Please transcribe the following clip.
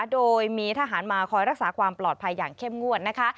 โดยมีทหารมาคอยรักษาความปลอดภัยอย่างเข้มงวดนะคะ